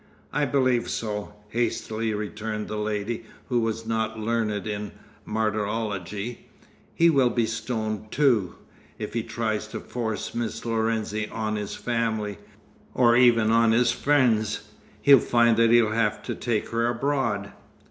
"I believe so," hastily returned the lady, who was not learned in martyrology. "He will be stoned, too, if he tries to force Miss Lorenzi on his family, or even on his friends. He'll find that he'll have to take her abroad."